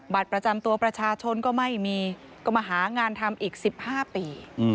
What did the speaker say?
บัตรประจำตัวประชาชนก็ไม่มีก็มาหางานทำอีก๑๕ปี